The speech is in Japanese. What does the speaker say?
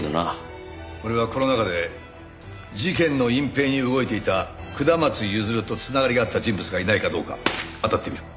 俺はこの中で事件の隠蔽に動いていた下松譲と繋がりがあった人物がいないかどうかあたってみる。